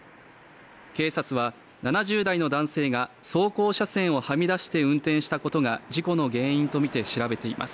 警察は７０代の男性が走行車線をはみ出して運転したことが事故の原因とみて、詳しく調べています。